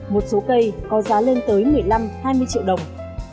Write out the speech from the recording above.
một số cây có giá lên tới một mươi năm hai mươi triệu đồng